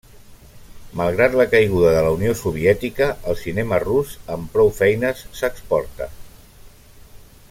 Malgrat la caiguda de la Unió Soviètica, el cinema rus amb prou feines s'exporta.